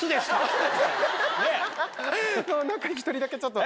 何か１人だけちょっと。